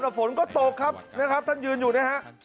แล้วฝนก็ตกครับท่านยืนอยู่นี่ฮะ